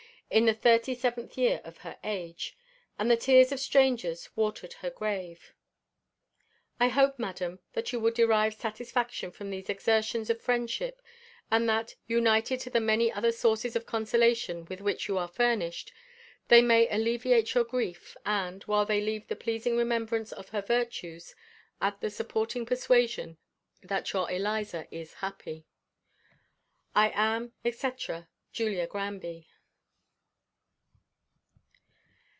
IN THE 37TH YEAR OF HER AGE; AND THE TEARS OF STRANGERS WATERED HER GRAVE. I hope, madam, that you will derive satisfaction from these exertions of friendship, and that, united to the many other sources of consolation with which you are furnished, they may alleviate your grief, and, while they leave the pleasing remembrance of her virtues, add the supporting persuasion that your Eliza is happy. I am, &c., JULIA GRANBY.